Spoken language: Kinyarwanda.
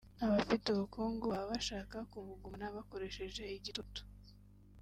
Abafite ubukungu baba bashaka kubugumana bakoresheje igitugu